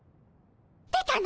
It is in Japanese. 出たの。